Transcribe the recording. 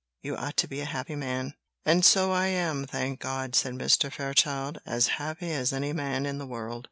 You ought to be a happy man." "And so I am, thank God," said Mr. Fairchild, "as happy as any man in the world."